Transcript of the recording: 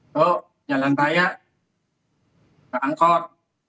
tuh jalan saya ke angkor